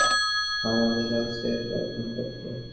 সে চায় আমরা যেনো বোমা খুঁজে পাই আমাদের কাছে স্রেফ এক ঘন্টা আছে।